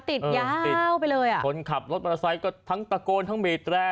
ติดยาวไปเลยอ่ะคนขับรถมอเตอร์ไซค์ก็ทั้งตะโกนทั้งบีดแร่